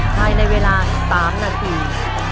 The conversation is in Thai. ภายในเวลา๓นาที